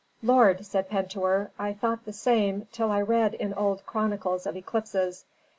"Lord," said Pentuer, "I thought the same till I read in old chronicles of eclipses.